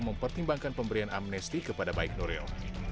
mempertimbangkan pemberian amnesti kepada baik nuril